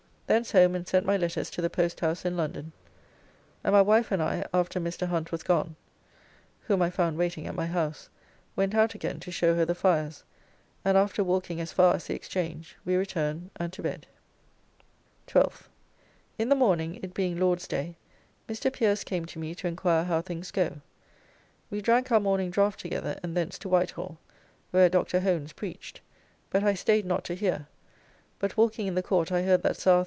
Thence home and sent my letters to the posthouse in London, and my wife and I (after Mr. Hunt was gone, whom I found waiting at my house) went out again to show her the fires, and after walking as far as the Exchange we returned and to bed. 12th. In the morning, it being Lord's day, Mr. Pierce came to me to enquire how things go. We drank our morning draft together and thence to White Hall, where Dr. Hones preached; but I staid not to hear, but walking in the court, I heard that Sir Arth.